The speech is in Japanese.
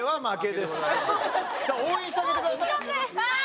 さあ応援してあげてください。